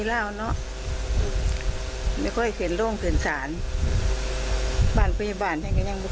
อยากให้มีคนค้นของบูรนิริตรรง